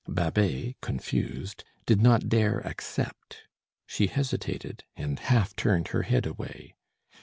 Babet, confused, did not dare accept; she hesitated, and half turned her head away.